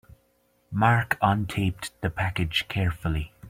Mark untaped the package carefully.